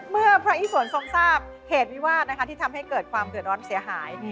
เมื่อพระอิสวนทรงทราบเหตุวิวาสที่ทำให้เกิดความเดือดร้อนเสียหาย